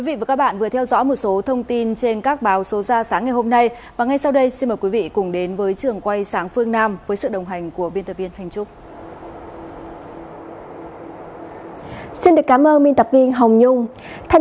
vì vậy thưa quý vị hãy đăng ký kênh dưới phim này để ủng hộ kênh của chúng tôi